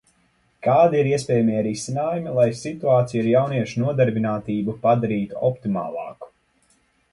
Kādi ir iespējamie risinājumi, lai situāciju ar jauniešu nodarbinātību padarītu optimālāku?